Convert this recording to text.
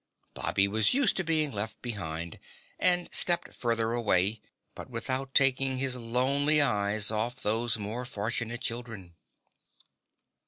Bobby was used to being left behind and stepped further away, but without taking his lonely eyes off those more fortunate children.